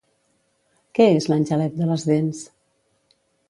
Què és l'angelet de les dents?